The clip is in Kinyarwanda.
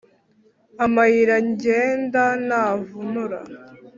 Amayira ngenda ntavunura.